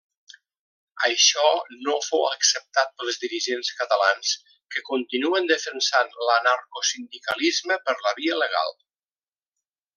Això no fou acceptat pels dirigents catalans que continuen defensant l'anarcosindicalisme per la via legal.